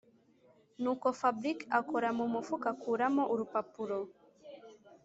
nuko fabric akora mumufuka akuramo urupapuro